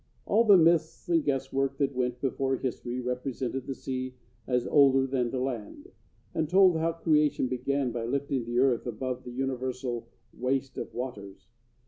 All the myths and guesswork that went before history represented the sea as older than the land, and told how creation began by lifting the earth above the universal waste of waters.